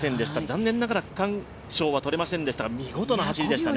残念ながら区間賞は取れませんでしたが、見事な走りでしたね。